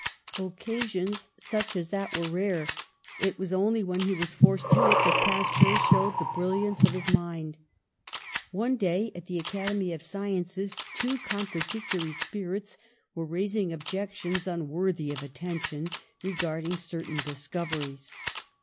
Occasions such as that were rare. THE SOVEREIGNTY OF GENIUS 149 It was only when he was forced to it that Pas teur showed the brilliance of his mind. One day at the Academy of Sciences two contra dictory spirits were raising objections unworthy of attention regarding certain discoveries.